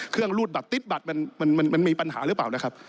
เครื่องรูดบัดติ๊ดบัดมันมีปัญหาหรือเปล่านะครับ